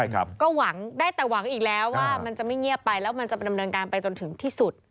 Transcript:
ก็หวังได้แต่หวังอีกแล้วว่ามันจะไม่เงียบไปแล้วมันจะไปดำเนินการไปจนถึงที่สุด